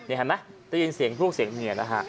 เห็นไหมได้ยินเสียงพลูกเสียงเมีย